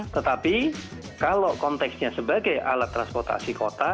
tetapi kalau konteksnya sebagai alat transportasi kota